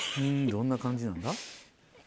どんな感じなんだ？